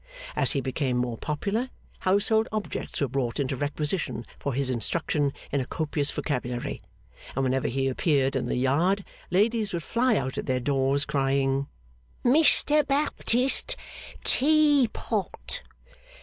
As he became more popular, household objects were brought into requisition for his instruction in a copious vocabulary; and whenever he appeared in the Yard ladies would fly out at their doors crying 'Mr Baptist tea pot!